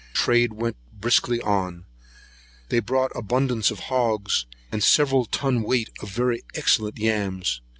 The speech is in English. Trade went briskly on. They brought abundance of hogs, and several ton weight of very excellent yams.